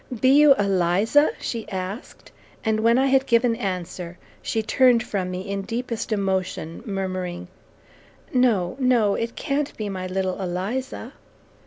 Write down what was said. "Be you Eliza?" she asked, and when I had given answer, she turned from me in deepest emotion, murmuring, "No, no, it can't be my little Eliza!"